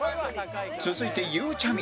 続いてゆうちゃみ